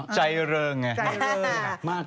ใจเริงไง